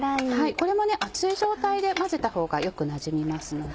これも熱い状態で混ぜたほうがよくなじみますので。